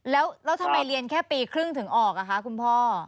แล้วทำไมเรียนแค่ปีครึ่งถึงออกอะคะคุณพ่อ